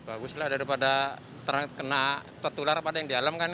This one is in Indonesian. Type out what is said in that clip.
bagus lah daripada terkena tertular pada yang di alam kan